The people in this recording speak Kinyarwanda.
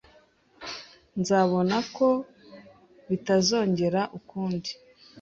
Nzabona ko bitazongera ukundi.